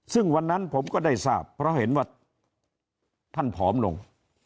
ซึ่งวันนั้นผมก็ได้ทราบเพราะเห็นว่าท่านผอมลง